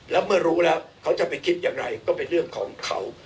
แล้วเมื่อรู้แล้วเขาจะไปคิดอย่างไรก็เป็นเรื่องของเขา